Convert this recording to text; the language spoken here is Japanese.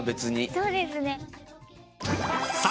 そうですね。